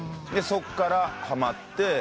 そっからはまって。